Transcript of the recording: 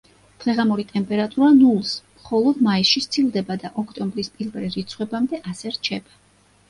დღე-ღამური ტემპერატურა ნულს მხოლოდ მაისში სცილდება და ოქტომბრის პირველ რიცხვებამდე ასე რჩება.